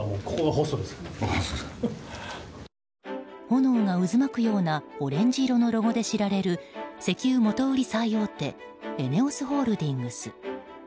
炎が渦巻くようなオレンジ色のロゴで知られる石油元売り最大手ＥＮＥＯＳホールディングス。